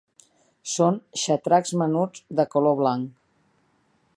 Són xatracs menuts de color blanc.